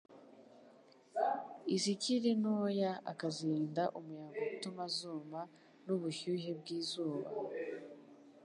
izikiri ntoya akazirinda umuyaga utuma zuma n'ubushyuhe bw'izuba;